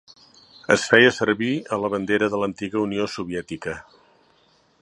Es feia servir a la bandera de l'antiga Unió Soviètica.